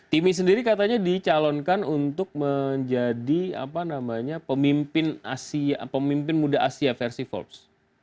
timmy sendiri katanya dicalonkan untuk menjadi pemimpin muda asia versi forbes